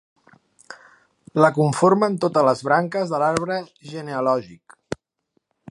La conformen totes les branques de l'arbre genealògic.